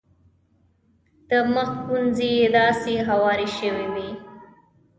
د مخ ګونځې یې داسې هوارې شوې وې.